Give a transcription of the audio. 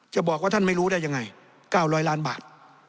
บอกว่าท่านไม่รู้ได้ยังไง๙๐๐ล้านบาท